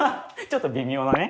ちょっと微妙なね。